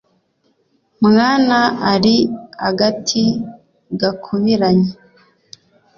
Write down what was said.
mwana ari agati gakubiranye